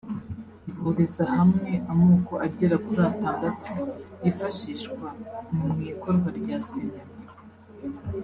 ihuriza hamwe amoko agera kuri atandatu yifashishwa mu ikorwa rya sinema